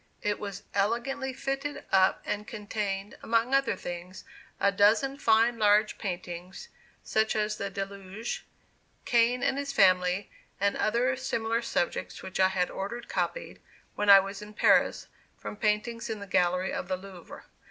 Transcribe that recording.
It was elegantly fitted up, and contained, among other things, a dozen fine large paintings, such as "The Deluge," "Cain and his Family," and other similar subjects which I had ordered copied, when I was in Paris, from paintings in the gallery of the Louvre.